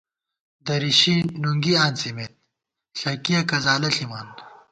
درِشی نُنگی آنڅِمېت ، ݪَکِیَہ کزالہ ݪِمان